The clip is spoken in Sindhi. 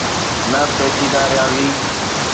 نه پيچيده رياضي.